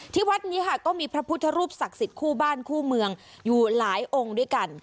วัดนี้ค่ะก็มีพระพุทธรูปศักดิ์สิทธิ์คู่บ้านคู่เมืองอยู่หลายองค์ด้วยกัน